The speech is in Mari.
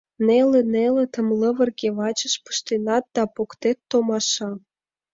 Неле нелытым лывырге вачыш Пыштенат да поктет, томаша.